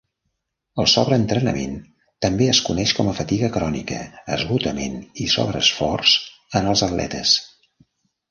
El sobreentrenament també es coneix com a fatiga crònica, esgotament i sobreesforç en els atletes.